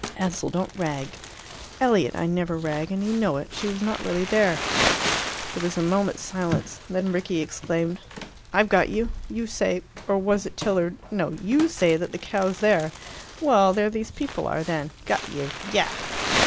"Ansell, don't rag." "Elliot, I never rag, and you know it. She was not really there." There was a moment's silence. Then Rickie exclaimed, "I've got you. You say or was it Tilliard? no, YOU say that the cow's there. Well there these people are, then. Got you. Yah!"